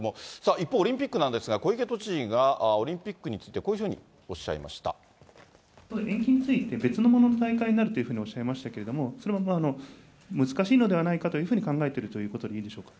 一方、オリンピックなんですけども、小池都知事が、オリンピックについてこういうふうに延期について、別の大会になるというふうにおっしゃいましたけれども、それも難しいのではないかというふうに考えているということでいいんでしょうか。